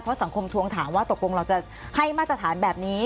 สังคมทวงถามว่าตกลงเราจะให้มาตรฐานแบบนี้